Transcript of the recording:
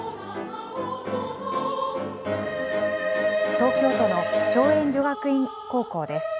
東京都の頌栄女学院高校です。